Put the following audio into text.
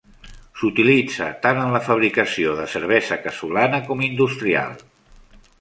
S'utilitza tant en la fabricació de cervesa casolana com industrial.